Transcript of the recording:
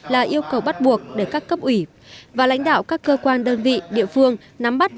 là yêu cầu bắt buộc để các cấp ủy và lãnh đạo các cơ quan đơn vị địa phương nắm bắt